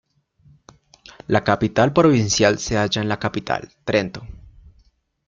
La capital provincial se halla en la capital, Trento.